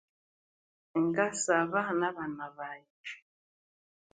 Ngasaba na bana bayi